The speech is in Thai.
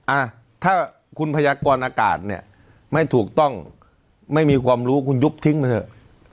อ่ะถ้าคุณพยากรอากาศเนี่ยไม่ถูกต้องไม่มีความรู้คุณยุบทิ้งไปเถอะ